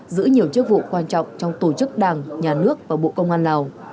giữ nhiều chức vụ quan trọng trong tổ chức đảng nhà nước và bộ công an lào